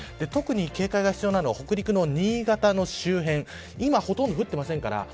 特に警戒が必要なのは北陸の新潟の周辺今ほとんど降っていませんから。